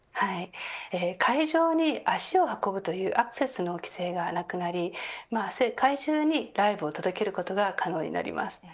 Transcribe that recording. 会場に足を運ぶというアクセスの規制がなくなり会場にライブを届けることが可能になります。